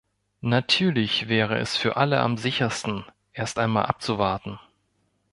Natürlich wäre es für alle am sichersten, erst einmal abzuwarten.